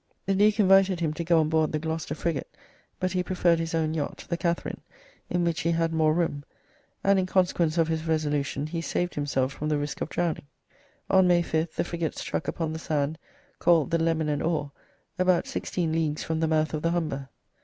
The Duke invited him to go on board the "Gloucester" frigate, but he preferred his own yacht (the "Catherine "), in which he had more room, and in consequence of his resolution he saved himself from the risk of drowning. On May 5th the frigate struck upon the sand called "The Lemon and Oar," about sixteen leagues from the mouth of the Humber.